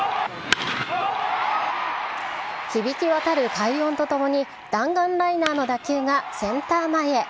響き渡る快音とともに弾丸ライナーの打球がセンター前へ。